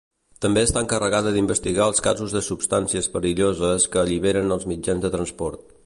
També està encarregada d'investigar els casos de substàncies perilloses que alliberen els mitjans de transport.